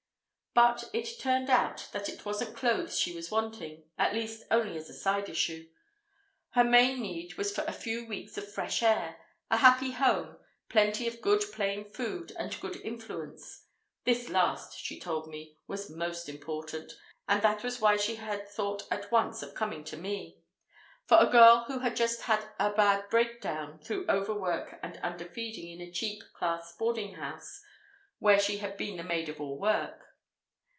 But it turned out that it wasn't clothes she was wanting, at least, only as a side issue. Her main need was for a few weeks of fresh air, a happy home, plenty of good plain food and good influence (this last, she told me, was most important, and that was why she had thought at once of coming to me) for a girl who had just had a bad break down, through overwork and underfeeding in a cheap class boarding house where she had been the maid of all work.